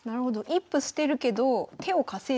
一歩捨てるけど手を稼いでる。